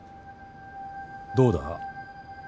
どうだ？